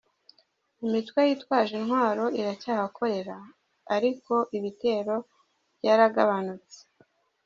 Imitwe yitwaje intwaro iracyahakorera ariko ibitero byaragabanutse.